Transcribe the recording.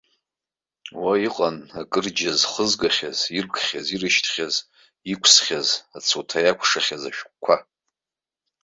Уа иҟан акыр џьа зхызгахьаз, иркхьаз-ирышьҭхьаз, иқәсхьаз, ацуҭа иакәшахьаз ашәҟәқәа.